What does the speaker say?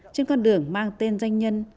trên con đường mang tên danh nhân